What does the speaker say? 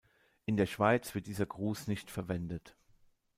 In der Schweiz wird dieser Gruß nicht verwendet.